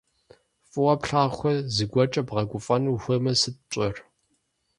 Фӏыуэ плъагъухэр зыгуэркӏэ бгъэгуфӏэну ухуеймэ, сыт пщӏэр?